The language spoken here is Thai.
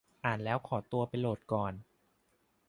อ่านแล้วขอตัวไปโหลดก่อน